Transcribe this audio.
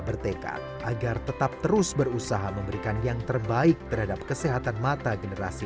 bertekad agar tetap terus berusaha memberikan yang terbaik terhadap kesehatan mata generasi